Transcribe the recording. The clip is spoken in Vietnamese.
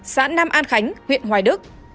xã nam an khánh huyện hoài đức